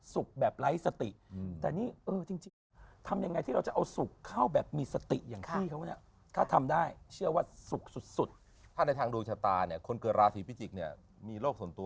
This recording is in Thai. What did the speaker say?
สุขแบบไร้สติแต่นี่